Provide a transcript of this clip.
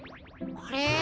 あれ？